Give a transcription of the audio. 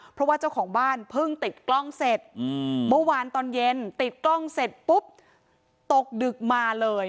เพราะว่าเจ้าของบ้านเพิ่งติดกล้องเสร็จเมื่อวานตอนเย็นติดกล้องเสร็จปุ๊บตกดึกมาเลย